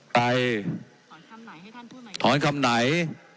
ไปทอนคำไหน